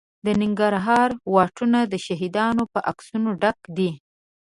د ننګرهار واټونه د شهیدانو په عکسونو ډک دي.